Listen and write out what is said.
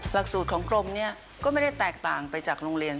หลักสูตรของกรมนี้ก็ไม่ได้แตกต่างไปจากโรงเรียน